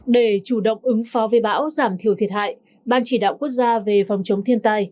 để chủ động ứng phó với bão giảm thiểu thiệt hại ban chỉ đạo quốc gia về phòng chống thiên tai